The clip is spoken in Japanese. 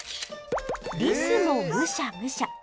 リスもむしゃむしゃ。